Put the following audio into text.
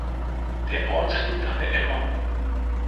Der Ort liegt an der Emmer.